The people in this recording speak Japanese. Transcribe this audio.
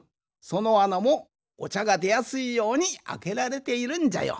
そのあなもおちゃがでやすいようにあけられているんじゃよ。